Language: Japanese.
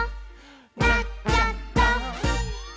「なっちゃった！」